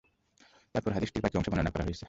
তারপর হাদীসটির বাকি অংশ বর্ননা করা হয়েছে।